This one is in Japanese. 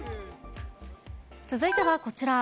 続いてはこちら。